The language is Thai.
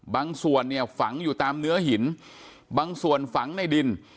บางส่วนเนี่ยฝังอยู่ตามเนื้อหินบางส่วนฝังในดิน